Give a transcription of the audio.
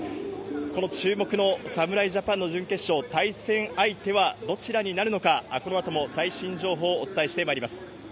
この注目の侍ジャパンの準決勝、対戦相手はどちらになるのか、このあとも最新情報お伝えしてまいります。